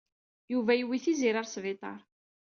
Yuba yewwi Tiziri ɣer sbiṭar.